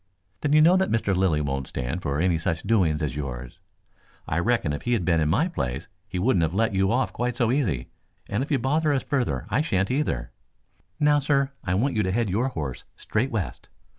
"Then you know that Mr. Lilly won't stand for any such doings as yours. I reckon if he had been in my place he wouldn't have let you off quite so easy, and if you bother us further I shan't, either. Now, sir, I want you to head your horse straight west.